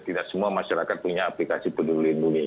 tidak semua masyarakat punya aplikasi peduli lindungi